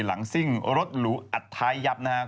ซิ่งรถหรูอัดท้ายยับนะครับ